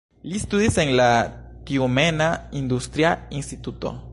Li studis en la Tjumena Industria Instituto.